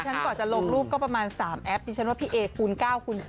กว่าจะลงรูปก็ประมาณ๓แอปดิฉันว่าพี่เอคูณ๙คูณ๓